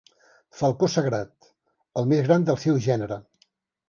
Falcó sagrat, el més gran del seu gènere.